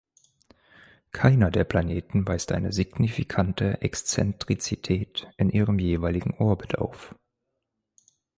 Keiner der Planeten weist eine signifikante Exzentrizität in ihrem jeweiligen Orbit auf.